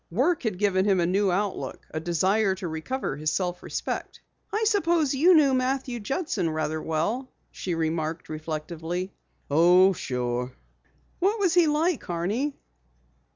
Work had given him a new outlook, a desire to recover his self respect. "I suppose you knew Matthew Judson rather well?" she remarked reflectively. "Oh, sure." "What was he like, Horney?"